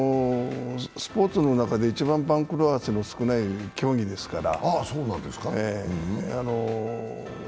スポーツの中で一番番狂わせの少ない競技ですから。